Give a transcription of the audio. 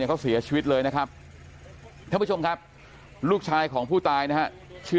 เขาเสียชีวิตเลยนะครับท่านผู้ชมครับลูกชายของผู้ตายนะฮะชื่อ